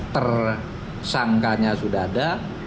tersangkanya sudah ada